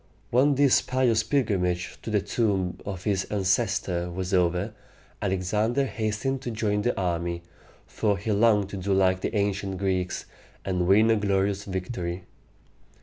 When this pious pilgrimage to the tomb of his ancestor was over, Alexander hastened to join the army, for he longed to do like the ancient Greeks, and win a glorious victory.